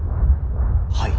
はい。